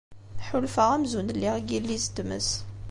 Ḥulfaɣ amzun lliɣ deg yilliz n tmes.